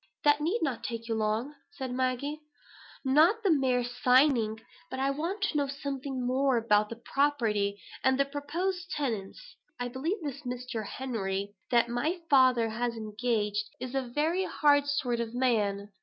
"That need not take you long," said Maggie. "Not the mere signing. But I want to know something more about the property, and the proposed tenants. I believe this Mr. Henry that my father has engaged, is a very hard sort of man.